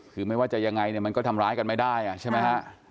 คือไม่ว่าจะยังไงเนี่ยมันก็ทำร้ายกันไม่ได้ใช่ไหมฮะ